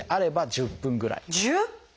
１０分！